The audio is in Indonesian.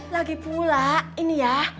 lagi pula ini ya